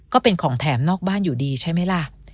ก็เป็นของแถมนอกบ้านอยู่ดีใช่ไหมล่ะ